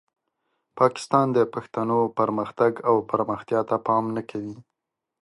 پاکستان د پښتنو پرمختګ او پرمختیا ته پام نه کوي.